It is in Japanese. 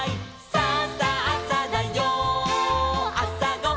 「さあさあさだよあさごはん」